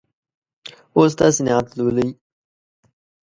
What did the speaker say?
اوس تاسې نعت لولئ.